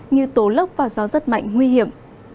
như tố lốc và gió giật mạnh nguy hiểm